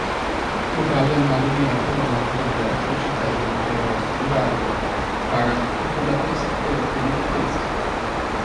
Locali analoghi aprirono anche nelle altre città dell'impero austroungarico: Praga, Budapest, Leopoli e Trieste.